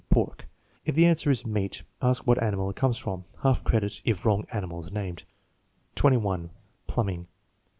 Pork. If the answer is "meat," ask what animal it comes from. Half credit if wrong animal is named. 21. Plumbing.